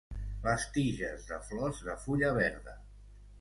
Les tiges de flors de fulla verda.